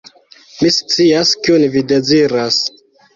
Mi scias, kion vi deziras.